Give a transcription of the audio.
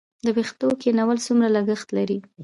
د ویښتو کینول څومره لګښت لري؟